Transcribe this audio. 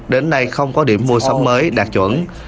đến nay không có điểm mua sắm mới đạt chuẩn